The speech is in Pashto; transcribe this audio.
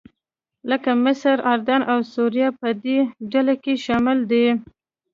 لکه مصر، اردن او سوریه په دې ډله کې شامل دي.